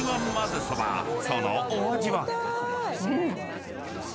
［そのお味は？］